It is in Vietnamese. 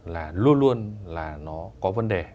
là luôn luôn là nó có vấn đề